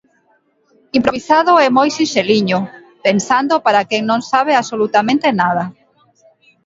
Improvisado e moi sinxeliño, pensando para quen non sabe absolutamente nada.